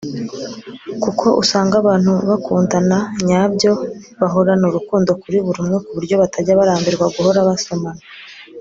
kuko usanga abantu bakundana nyabyo bahorana urukundo kuri buri umwe ku buryo batajya barambirwa guhora basomana